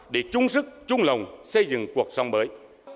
để chung sức chung lòng xây dựng cuộc sống mới